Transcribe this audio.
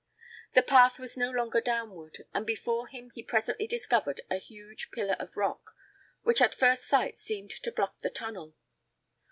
The path was no longer downward, and before him he presently discovered a huge pillar of rock, which at first sight seemed to block the tunnel.